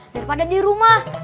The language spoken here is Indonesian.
daripada di rumah